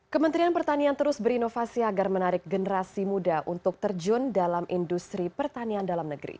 kementerian pertanian terus berinovasi agar menarik generasi muda untuk terjun dalam industri pertanian dalam negeri